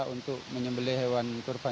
untuk menyebelih hewan kurban